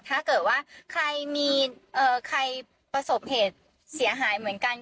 ถ้าเกิดว่าใครมีใครประสบเหตุเสียหายเหมือนกัน